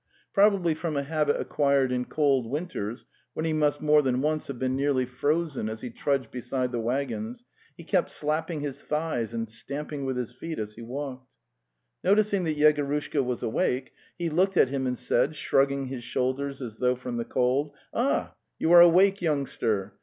Probably from a habit acquired in cold winters, when he must more than once have been nearly frozen as he trudged beside the wag gons, he kept slapping his thighs and stamping with his feet as he walked. Noticing that Yegorushka was awake, he looked at him and said, shrugging his shoulders as though from the cold: '"Ah, you are awake, youngster!